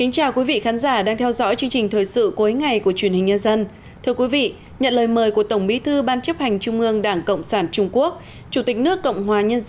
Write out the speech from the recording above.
các bạn hãy đăng ký kênh để ủng hộ kênh của chúng mình nhé